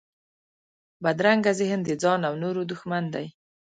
بدرنګه ذهن د ځان او نورو دښمن دی